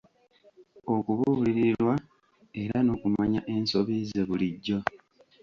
Okubuulirirwa era n'okumanya ensobi ze bulijjo.